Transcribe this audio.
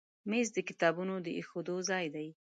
مېز د کتابونو د ایښودو ځای دی.